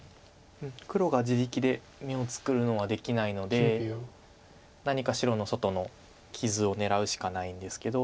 黒が自力で眼を作るのはできないので何か白の外の傷を狙うしかないんですけど。